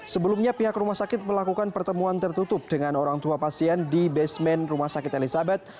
sebelumnya pihak rumah sakit melakukan pertemuan tertutup dengan orang tua pasien di basement rumah sakit elizabeth